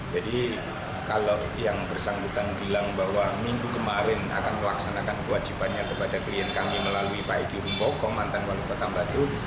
jadi kalau yang bersambutan bilang bahwa minggu kemarin akan melaksanakan kewajibannya kepada klien kami melalui pak egy rumbo komantan walu ketam batu